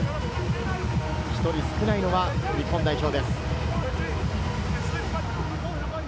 １人少ないのは日本代表です。